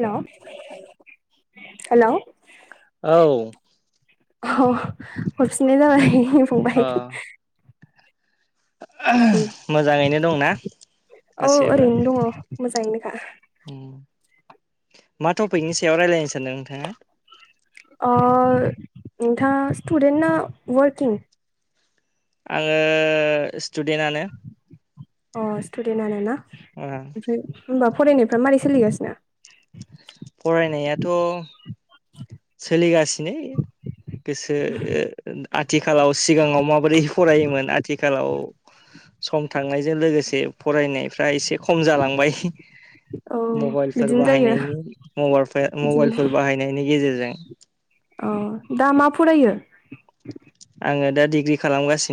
Hello-hello! औ। अह हरफिननाय जाबाय फंबाय। मोजाङैनो दंना? औ गासैबो ओरैनो दङ' मोजाङैनोखा। उम मा टपिकनि सायाव रायलायनो सानदों नोंथाङा? अ नोंथाङा स्टुडेन्ट ना वारकिं? आङो स्टुदेन्ट आनो। अ स्टुडेन्टआ नोना ओ ओमफ्राय होनबा फरायनायफ्रा मारै सोलिगासिनो? फरायनायाथ' सोलिगासिनो। गोसो आथिखालाव सिगाङाव माबोरै फरायोमोन आथिखालाव। [unintelligible] सम थांनायजों लोगोसे फरायनायफ्रा एसे खम जालांबाय। औ मबाइलफोर बिदिनो जायो बाहायनायनि-मबाइलफोर बिदिनो बाहायनायनि गेजेरजों। [unintelligible] औ दा मा फरायो? आङो दा डिग्रि खालामगासिनो।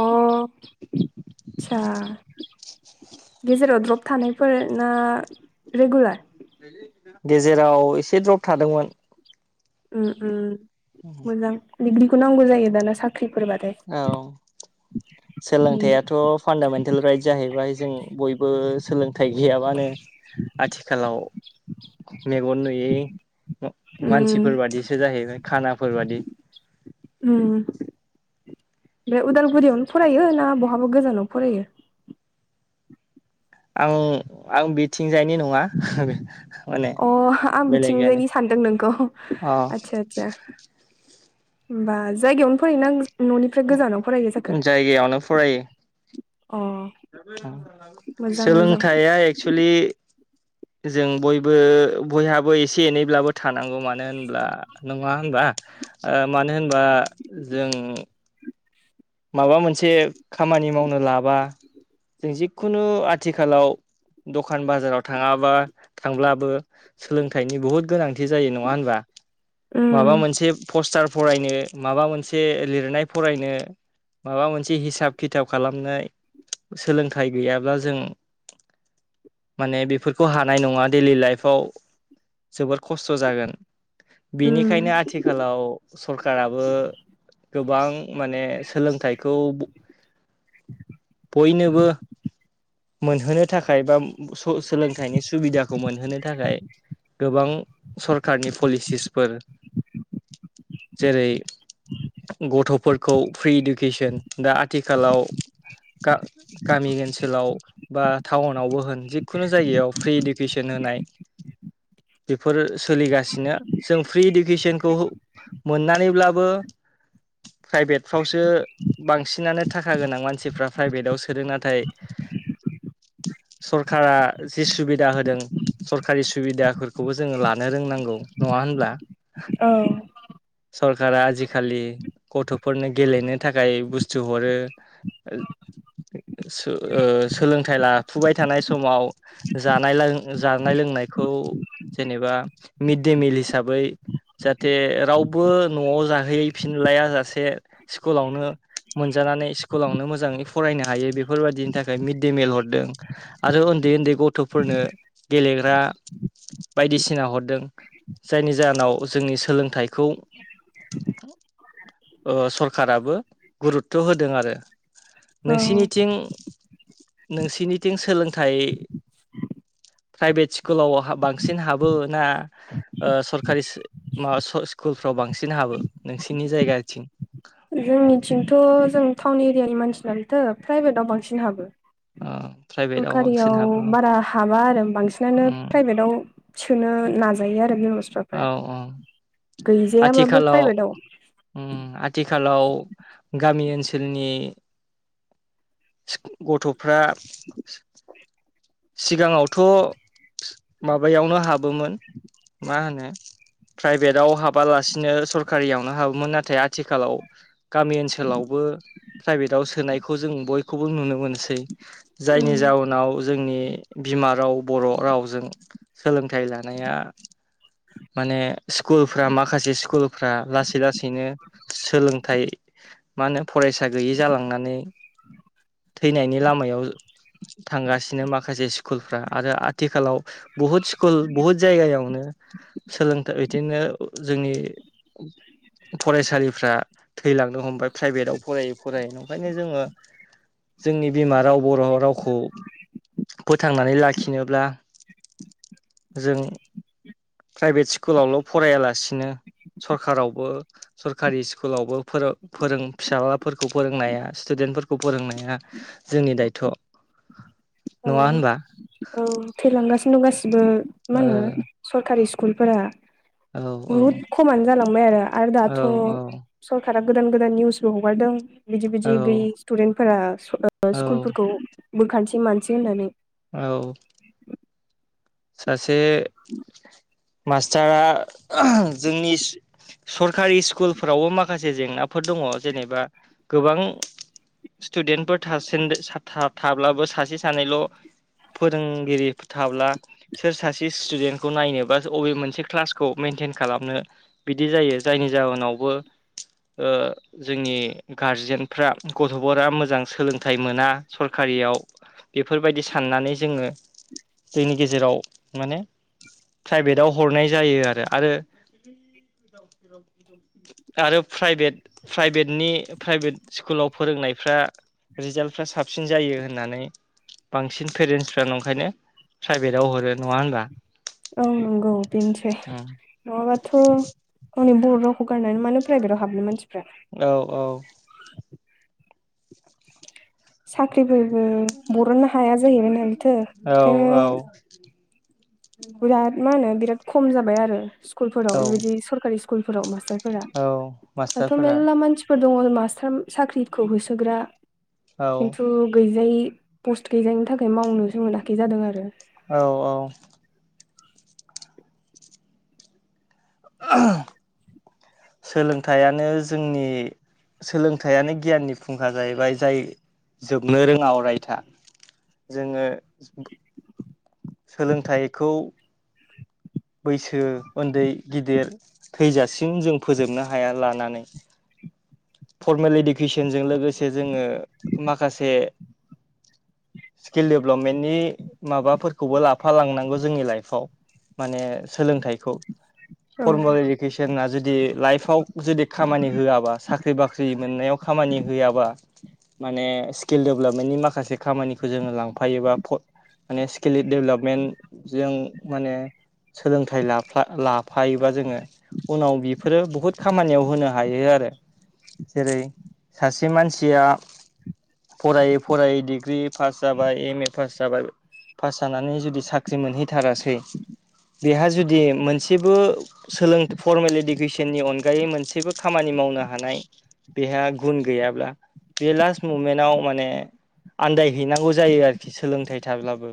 अ आदसा। गेजेराव द्रप थानायफोरना रेगुलार? गेजेराव एसे द्रप थादोंमोन। ओम-ओम मोजां डिग्रिखौ नांगौ जायो दाना साख्रि। औ उम सोलोंथाइआथ' फान्दामेन्टेल राइट जाहैबाय जों बयबो थाइ गैयाबानो आथिखालाव मेगन नुयै मा उम मानसिफोर बादिसो जाहैबाय खानाफोर बादि उम आमफाय उदालगुरिआवनो फरायो ना बहाबो गोजानाव फरायो? आं आं बिथिंजायनि नङा हो अ ओ आं बिथिंनि सानदों नोंखौ अ आदसा आदसा होमबा जायगायावनो फरायो ना आं न'निफ्राय गोजानाव फरायो जाखो अ मोजां मोजां सोलोंथाइआ एक्सुुलि जों बयबो बयहाबो एसे एनैब्लाबो थानांगौ मानो होनब्ला नङा होनबा ओ मानो होनबा जों माबा मोनसे खामानि मावनो लाबा जों जिखुनो आथिखालाव द'खान बाजाराव थाङाबा थांब्लाबो सोलोंथाइनि बहुद गोनांथि जायो नङा होनबा उम माबा मोनसे पस्टार फरायनो माबा मोनसे लिरनाय फरायनो माबा मोनसे हिसाब खिथाब खालामनाय सोलोंथाइ गैयाब्ला जों माने बेफोरखौ हानाय नङा देलि लाइफआव जोबोर खस्थ' जागोन बेनिखायनो उम आथिखालआव सरखाराबो गोबां माने सोलोंथाइखौ ब बयनोबो मोनहोनो थाखाय बा सोलोंथाइनि सुबिदाखौ मोनहोनो थाखाय गोबां सरखारनि पलिसिसफोर जेरै गथ'फोरखौ फ्रि इडु किसोन दा आथिखालाव गा गामि ओनसोलाव बा टाउनावबो होन जिखुनो जायगायाव फ्रि इडुकेसन होनाय [inaudible] बेफोर सोलिगासिनो जों फ्रि इडुकेसनखौ मोननानैब्लाबो प्राइभेटफ्रावसो बांसिनानो थाखा गोनां मानसिफ्रा प्राइभेदाव सोदों नाथाय [inaudible] सरकारा जि सुबिदा होदों सरकारि सुबिदाफोरखौबो जोङो लानो रोंनांगौ नङा नङा होनब्ला औ सरकारा आजिखालि गथ'फोरनो गेलेनो थाखाय बुस्थु हरो ओ सो ओ सोलोंथाइ लाफुबाय थानाय समाव जानाय जानाय लों लोनायखौ जेनेबा मिड दे मिल हिसाबै जाहाथे रावबो न'आव जाहैफिनलाआ जासे स्कुलावनो मोनजानानै स्कुलावनो मोजाङै फरायनो हायो बेफोरबादिनि थाखाय मिड दे मिलक हरदों आरो उन्दै उन्दै गथ'फोरनो गेलेग्रा बायदिसिना हरदों जायनि जाहोनाव जोंनि सोलोंथाइखौ ओ सर सोरखाराबो गुरुथ' होदों आरो‌ नोंसिनिथिं नोंसिनिथिं सोलोंथाइ [inaudible] प्राइभेट स्कुलाव बांसिन हाबो ना ओ सोरखारि‌ मा स्कुलफ्राव बांसिन हाबो नोंसिनि जायगाथिं जोंनिथिंथ' जों टाउन एरिआनि मानसि नालायनोथो प्राइभेटआव बांसिन हाबो ओ प्राइभेटाव बांसिन हाबो सरखारियाव बारा हाबा आरो। बांसिनानो उम प्राइभेटाव सोनो नाजायो औ आरो औ गैजायाबाबो आथिखालाव प्राइभेटआव उम आथिखालाव गामि ओनसोलनि गथ'फ्रा सिगाङावथ' माबायावनो हाबोमोन मा होनो [inaudible] प्राइभेटाव हाबालासिनो सरखारियावनो हाबोमोन नाथाय आथिखालाव गामि ओनसोलावबो प्राइभेटआव सोनायखौ जों बयखौबो नुनो मोनसै उम जायनि जाउनाव जोंनि बिमा राव बर' रावजों सोलोंथाइ लानाया माने स्कुलफ्रा माखासे स्कुलफ्रा लासै लासैनो सोलोंथाइ मा होनो फरायसा गैयि जालांनानै थैनायनि लामायाव थांगासिनो नो माखासे स्कुलफ्रा आरो आथिखालाव बुहुद स्कुल बुहुद जायगायावनो सोलोंथाइ बिदिनो जोंनि फरायसालिफ्रा थैलांनो हमबाय प्राइभेटआव फरायै फरायै ओंखायनो जोङो जोंनि बिमा राव बर' रावखौ फोथांनानै लाखिनोब्ला जों प्राइभेट स्कुलावल' फरायालासिनो सरखारावबो सरकारि स्कुलावबो फोर फोरों फिसााजलाफोरखौ फोरोंनाया स्टुदेन स्तुडेन फोरफोरखौ फोरोंनाया जोंनि दायथ' [inaudible] औ नङा होनबा औ थैलांगासिनो दं गासिबो मा औ होनो सरखारि स्कुल फोर औ औ बुहुत खमानो जालांबाय आरो आरो दाथ' सारा गोदान गोदान निउसबो हगारदों बिदि बिदि औ गैयि स्टुडेन्टफोरा औ स्कुलफोरखौ बुरखानोसै मानोसै होननानै औ सासे मास्टारा जोंनि सरकारि स्कुलफोरावबो माखासे जेंनाफोर दं दङ जेनेबा गोबां स्टुडेन्टफोरासे थाब्लाबो सासे सानैल' फोरोंगिरि थाब्ला सोर सासे स्टुडेन्टखौ नायनो बा बबे मोनसे क्लासखौ मेइेनटेन खालामनो बिदि जायो जायनि जाहोनाव आंनावबो जोंनि गारजेनफ्रा गथ'फोरा मोजां सोलोंथाइ मोना सरकारि हारियाव बेफोरबायदि साननानै जोङो जोंनि गेजेराव माने प्राइभेटाव हरनाय जायो आरो आरो बिद बिद बिद [inaudible] आरो प्राइभेट प्राइभेटनि प्राइभेट स्कुलाव फोरोंनायफ्रा रिजाल्टफ्रा साबसिन जायो होननानै बांसिन पेरेन्टसफ्रा ओंखायनो प्राइभेटाव हरो नङा होनबा औ नंगौ बेनोसै नङाबाथ' आंनि बर' र'खौ गारनानै मानो प्राइभेटआव हाबनो मानसिफ्रा औ औ साख्रिफोर बरननो हाया जाहैबाय नालायथो ओंखायनो औ औ बिराद मा होनो बिराद खम जाबाय आरो स्कुलफोराव औ बेबायदि सरकारि स्कुलफोराव मास्टार औ दाथ' मास्टारफोरा मेल मानसिफोर दङ मास्टार साख्रिखौ होसोग्रा औ खिन्थु गैजायै पस्त गैजायनि थाखाय मावनो सोंङोनोखै जादों आरो औ औ। [inaudible] सोलोंथाइयानो जोंनि सोलोंथाइयानो गियाननि फुंखा जाहैबाय जाय जोबनो रोङा अरायथा। जोङो सोलोंथाइखौ बैसो उन्दै गिदिर थैजासिम जों फोजोबनो हाया लानानै [inaudible] फर्मेल इडुकेसनजों लोगोसे जोङो माखासे स्किल डेभ्लपमेन्टनि माबाफोरखौबो लाफा लांनांगौ जोंनि लाइफआव माने सोलोंथाइखौ औ फर्मेल इडुकेसना जुदि लाइफआव जुदि खामानि होआबा साख्रि ख्रि बाख्रि मोननायाव खामानि होयाबा माने स्किल डेभेलपमेन्टनि माखासे खामानिखौ जोङो लांफायोबा माने स्किल डेभेलपमेन्ट जों माने सोलोंथाइ लाफ्ला लाफायोबा जोङो उनाव बेफोरो बहुद खामानियाव होनो हायो आरो। जेरै सासे मानसिया फरायै फरायै डिग्रि पास जाबाय एम ए पास जाबाय। पास जानानै जुदि साख्रि मोनहैथारासै बेहा जुदि मोनसेबो सोलों फरमेल इडुकेसननि अनगायै मोनसेबो खामानि मावनो हानाय बेहा गुन गैयाब्ला बे लास्ट मुमेन्टआव माने आन्दायहैनांगौ जायो आरोखि सोलोंथाइ थाब्लाबो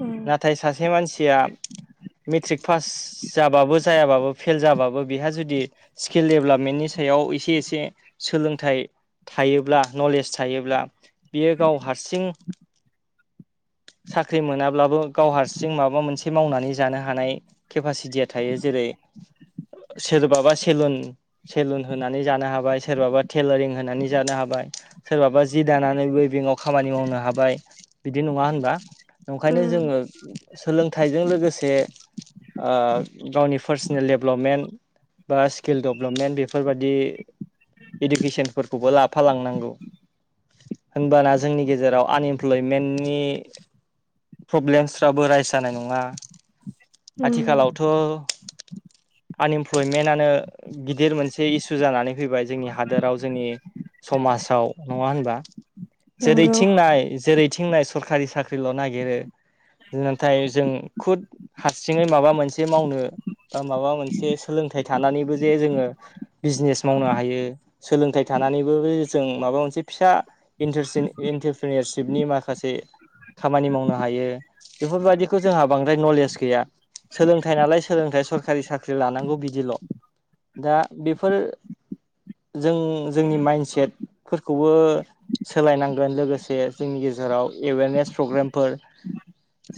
उम नाथाय सासे मानसि सिया मेट्रिक पास जाबाबो जायाबाबो फेल जाबाबो बेहा जुदि स्किल डेभेलपमेन्टनि सा सायाव एसे एसे सोलोंथाइ थायोब्ला नलेज थायोब्ला बियो गाव हारसिं [inaudible] साख्रि मोनाब्लाबो गाव हारसिं माबा मोनसे मावनानै जानो हानाय केपासिटिया थायो जेरै [inaudible] सोरबाबा सेलुन सेलुन होनानै जानो हाबाय। सोरबाबा टेलारिं होनानै जानो हाबाय सोरबाबा जि दानानै बे बेंकआव खामानि मावनो हाबाय। बिदि नङा होनबा ओंखायनो जोङो सोलोंथाइजों लोगोसे ओ गावनि पार्सनेल डेभेलपमेन्ट बा स्किल डभलपमेन्ट बेफोरबादि इडुकेसनफोरखौबो लाफालांनांगौ। होनबाना जोंनि गेजेराव आनइमप्लयमेन्टनि प्रब्लेमसफ्राबो रायस जानाय नङा उम आथिखालावथ' आनइमप्लयमेन्टआनो गिदिर मोनसे इसु जानानै फैबाय जोंनि हा हादोराव जोंनि समाजाव नङा होनबा नंगौ जेरैथिंनाय जेरै थिंनाय सरखारि साख्रिल' नागिरो। नाथाय जों खुद हारसिङै माबा मोनसे मावनो बा माबा मोनसे सोलों सोलोंथाइ थानानैबो जे जोङो बिजनेस मावनो हायो। सोलोंथाइ थानानैबो जों माबा मोनसे फिसा इटरसिन इन्टारप्रिनियरशिपनि माखासे खामानि मावनो हायो बेफोरबायदिखौ जोंहा बांद्राय नलेज गैया। सोलोंथाइ नालाय सोलोंथाइ सरखारि साख्रि लानांगौ बिदिल'। दा बेफोरो जों जोंनि माइन्डसेटफोरखौबो सोलायनांगोन लोगोसे जोंनि गेजेराव एवेरने प्रग्रेमफोर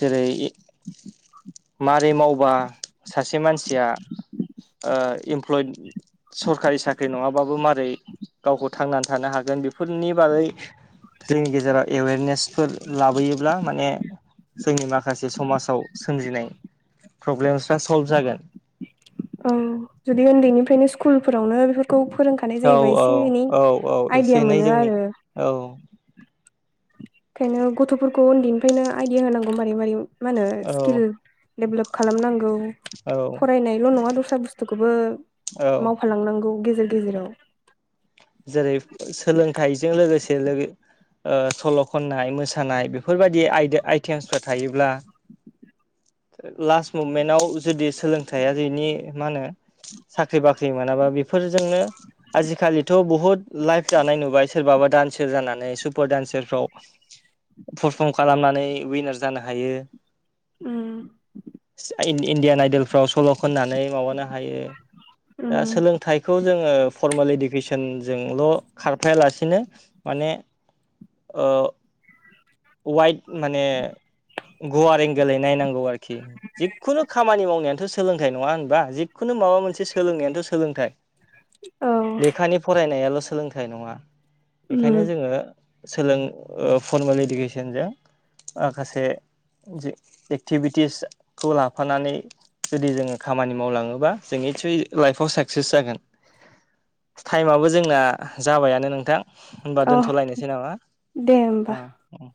जेरै मारै मावबा सासे मानसिया ओ इमप्लयद सरखारि साख्रि नङा मारै गावखौ थांनानै थानो हागोन बेफोरनि बागै जोंनि गेजेराव एवेरनेसफोर लाबोयोब्ला माने जोंनि माखासे समाजाव सोमजिनाय प्रब्लेमसफ्रा सल्भ जागोन औ जुदि उन्दैनिफ्रायनो स्कुलफोरावनो बेफोर खौ फोरोंखानाय औ जायोबा औ एसे एनै औ औ एसे आइडिया एनै मोनो जोंनि आरो औ ओंखायनो गथ'फोरखौ उन्दैनिफ्रायनो आइडिया होनांगौ मारै मारै मा होनो औ स्किल डेभलप खालामनांगौ औ फरायनायल' नङा दस्रा बुस्थुखौबो औ मावफालांनांगौ गेजेर गेजेराव जेरै सोलोंथाइजों लोगोसे लोगो ओ सल' खननाय मोसानाय बेफोरबायदि आइदि आइटेमसफोरा थायोब्ला [inaudible] लास्ट मुभमेन्टाव जुदि सोलोंथाइया जेनि मा होनो साख्रि बाख्रि मोनाबा बेफोर फोरजोंनो आजिखालि थ' बुहुत लाइफ दानाय नुबाय सोरबाबा दान्सार जानानै सुपार दान्सारफ्राव पारफर्म खालामनानै उइनार जानो हायो उम इन इण्डियान आइडलफ्राव सल' खननानै माबानो हायो दा उम सोलोंथाइखौ जोङो फर्मेल इदुकेसन जोंल' खारफायालासिनो माने ओ वाइद माने गुवार एंगलै नायनांगौ आरोखि जिखुनु खामानि मावनायथ' सोलोंथाइ नङा होनबा जिखुनु माबा मोनसे सोलोंनायानोथ' सोलोंथाइ औ लेखानि फरायनायाल' सोलोंथाइ नङा उम बेखायनो जोङो सोलों ओ फरमेल इडुकेसनजों माखासे जि एक्टिभिटिसखौ लाफानानै जुदि जोङो खामानि मावलाङोबा जोंनि निसय लाइफआव साक्सेस जागोन [inaudible] टाइमाबो जोंना जाबायानो नोंथां होमबा अ दोनथ'लायनोसै नामा दे होमबा ओ ओं